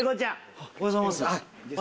おはようございます。